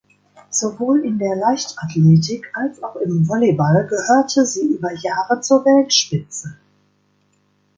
Sowohl in der Leichtathletik als auch im Volleyball gehörte sie über Jahre zur Weltspitze.